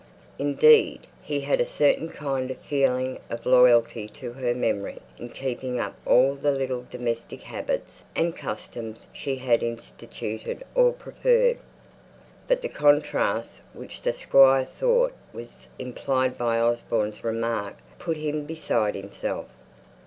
Indeed, he had a certain kind of feeling of loyalty to her memory in keeping up all the little domestic habits and customs she had instituted or preferred. But the contrast which the Squire thought was implied by Osborne's remark, put him beside himself.